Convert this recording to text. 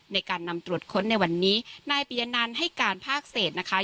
ในการนำตรวจค้นในวันนี้นายปียนันให้การภาคเศษนะคะ